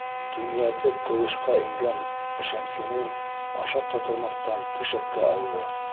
Төнләтеп ҡыуышҡа ингән Шәмсинур ашап та тормаҫтан түшәккә ауҙы.